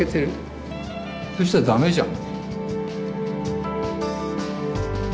そしたらダメじゃん。